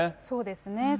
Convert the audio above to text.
そうですね。